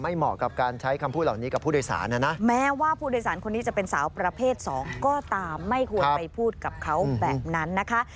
เหมาะกับการใช้คำพูดเหล่านี้กับผู้โดยสารนะนะแม้ว่าผู้โดยสารคนนี้จะเป็นสาวประเภทสองก็ตามไม่ควรไปพูดกับเขาแบบนั้นนะคะ